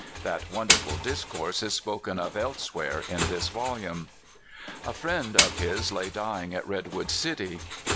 (That wonderful discourse is spoken of elsewhere in this volume.) A friend of his lay dying at Redwood City.